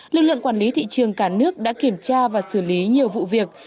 lực lượng quản lý thị trường cả nước đã kiểm tra và xử lý nhiều vụ việc